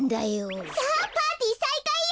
さあパーティーさいかいよ！